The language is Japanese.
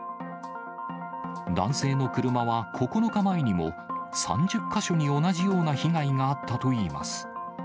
男性の車は９日前にも、３０か所に同じような被害があったといいます。